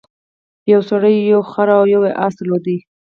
یو سړي یو خر او یو اس درلودل.